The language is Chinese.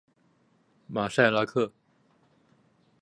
马赛拉克。